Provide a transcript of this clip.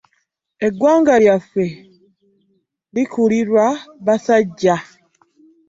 Eggwanga lyaffe likulirwa basajja.